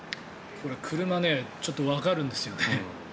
車ちょっとわかるんですよね。